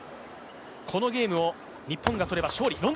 このゲームを日本が取れば勝利。